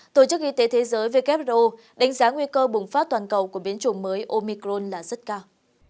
thế giới who đánh giá nguy cơ bùng phát toàn cầu của biến chủng mới omicron là rất cao